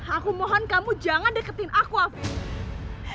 aku mohon kamu jangan deketin aku aku